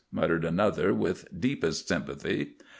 muttered another, with deepest pity.